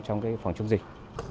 trong cái phòng chống dịch